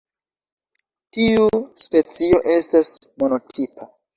Tiu specio estas monotipa.